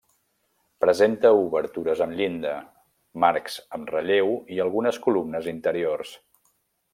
Presenta obertures amb llinda, marcs amb relleu i algunes columnes interiors.